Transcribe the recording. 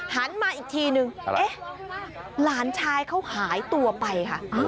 หันมาอีกทีนึงเอ๊ะหลานชายเขาหายตัวไปค่ะ